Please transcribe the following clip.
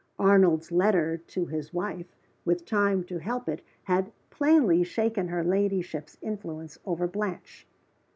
Arnold's letter to his wife, with time to help it, had plainly shaken her ladyship's influence over Blanche.